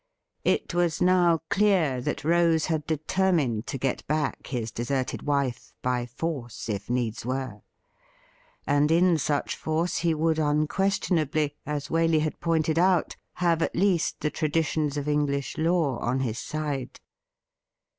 It was now clear that Rose had determined to get back his deserted wife by force, if needs were ; and in such force he would unquestionably, as Waley had pointed out, have at least the traditions of English law on his side.